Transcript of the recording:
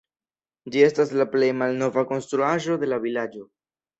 Ĝi estas la plej malnova konstruaĵo de la vilaĝo.